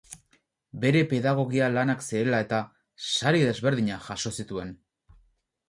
Bere pedagogia lanak zirela eta sari desberdinak jaso zituen.